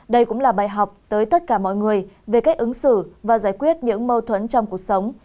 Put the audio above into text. đây cũng là bài học tới tất cả mọi người về cách ứng xử và giải quyết những mâu thuẫn trong cuộc sống